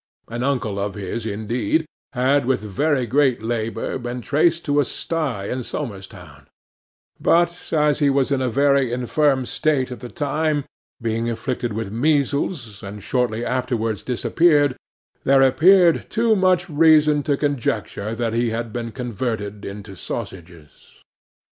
An uncle of his indeed, had with very great labour been traced to a sty in Somers Town; but as he was in a very infirm state at the time, being afflicted with measles, and shortly afterwards disappeared, there appeared too much reason to conjecture that he had been converted into sausages.